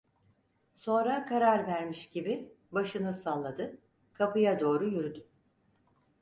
Sonra karar vermiş gibi başını salladı, kapıya doğru yürüdü.